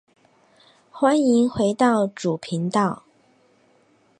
歡迎回到主頻道